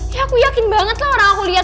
ya aku yakin banget lah orang aku liat